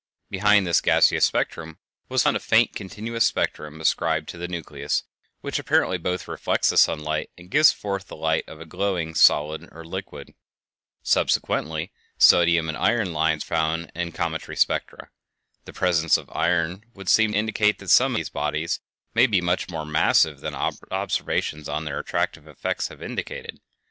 Behind this gaseous spectrum was found a faint continuous spectrum ascribed to the nucleus, which apparently both reflects the sunlight and gives forth the light of a glowing solid or liquid. Subsequently sodium and iron lines were found in cometary spectra. The presence of iron would seem to indicate that some of these bodies may be much more massive than observations on their attractive effects have indicated.